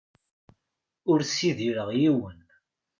Ur ssidireɣ yiwen.